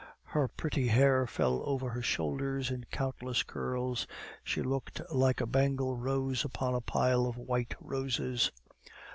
Her pretty hair fell over her shoulders in countless curls; she looked like a Bengal rose upon a pile of white roses.